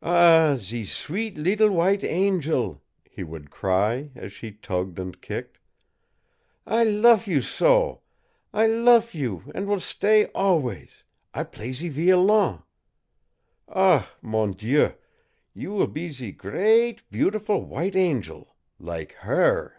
"Ah, ze sweet leetle white angel!" he would cry, as she tugged and kicked. "I luf you so I luf you, an' will stay always, ah' play ze violon! Ah, mon Dieu, you will be ze gr r r eat bea utiful white angel lak HER!"